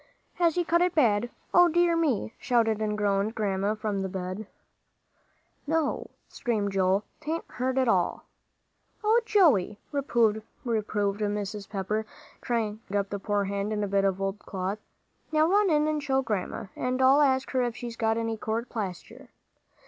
"Has he cut it bad? O dear me!" shouted and groaned Grandma from the bed. "No," screamed Joel, "'tain't hurt at all." "Oh, Joey!" reproved Mrs. Pepper, tying up the poor hand in a bit of old cloth. "Now run in and show Grandma, and I'll ask her if she has got any court plaster."